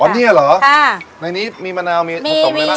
อ๋อนี่หรอในนี้มีมะนาวมีผสมไหมบ้าง